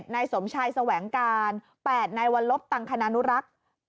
นายสมชายแสวงการ๘นายวัลลบตังคณานุรักษ์